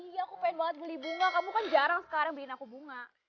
iya aku pengen banget beli bunga kamu kan jarang sekarang beliin aku bunga